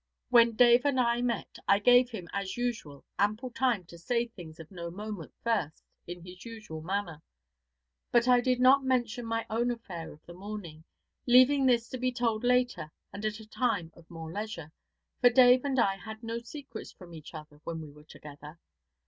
When Dave and I met, I gave him, as usual, ample time to say the things of no moment first, in his usual manner; but I did not mention my own affair of the morning, leaving this to be told later and at a time of more leisure, for Dave and I had no secrets from each other when we were together.